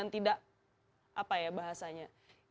tidak apa ya bahasanya